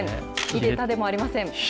ひでたでもありません。